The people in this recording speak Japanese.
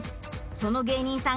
その芸人さん